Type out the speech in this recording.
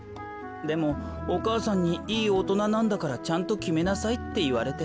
でもお母さんにいいおとななんだからちゃんときめなさいっていわれてさ。